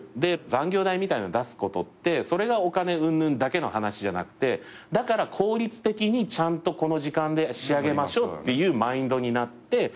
残業代みたいなのを出すことってそれがお金うんぬんだけの話じゃなくてだから効率的にちゃんとこの時間で仕上げましょうっていうマインドになって。